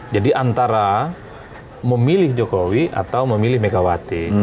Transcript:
jadi antara memilih jokowi atau memilih megawati